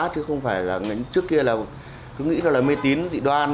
chứ không phải là trước kia là cứ nghĩ là mê tín dị đoan